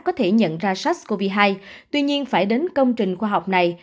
có thể nhận ra sars cov hai tuy nhiên phải đến công trình khoa học này